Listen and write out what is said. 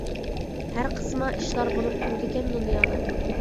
ھەر قىسما ئىشلار بولۇپ تۇرىدىكەن دۇنيادا.